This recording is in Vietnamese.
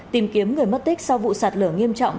tìm kiếm người mất tích sau vụ sạt lở nghiêm trọng